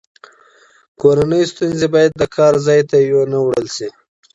کورنۍ ستونزې باید د کار ځای ته ونه وړل شي.